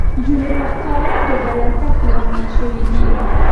نجونې په ښکاره توګه له زده کړو منع شوې دي.